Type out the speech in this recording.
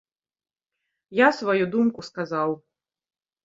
Я сваю думку сказаў.